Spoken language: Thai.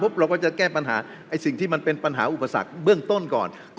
ก็จะแก้ปัญหาที่เป็นปัญหาอุปสรรค